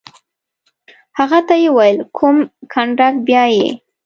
هغه ته یې وویل: کوم کنډک؟ بیا یې.